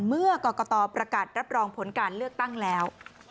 เมื่อกรกตประกาศรับรองผลการเลือกตั้งแล้ว